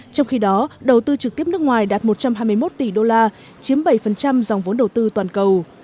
trong khi đó đầu tư trực tiếp nước ngoài đạt một trăm hai mươi một tỷ đô la chiếm bảy dòng vốn đầu tư toàn cầu